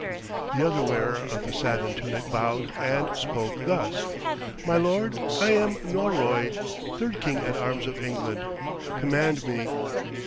The other wearer of the satin tunic bowed and spoke thus, "My lord, I am Norroy, Third King at Arms of England. Command me."